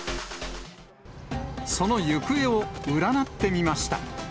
その行方を占ってみました。